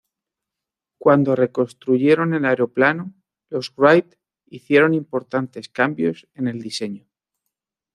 Cuando reconstruyeron el aeroplano, los Wright hicieron importantes cambios en el diseño.